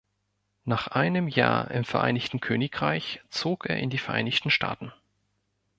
Nach einem Jahr im Vereinigten Königreich zog er in die Vereinigten Staaten.